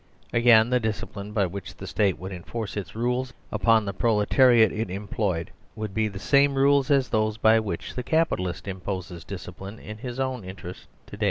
Again, the discipline by which the State would enforce its rules upon the proletariat it employed would be the same rules as those by which the Capitalist imposes discipline in his own interests to day.